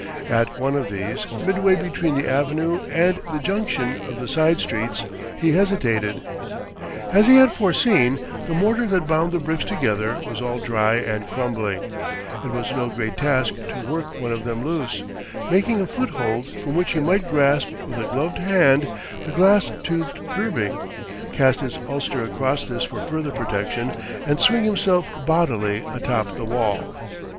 At one of these, midway between the avenue and the junction of the side streets, he hesitated. As he had foreseen, the mortar that bound the bricks together was all dry and crumbling; it was no great task to work one of them loose, making a foothold from which he might grasp with a gloved hand the glass toothed curbing, cast his ulster across this for further protection, and swing himself bodily atop the wall.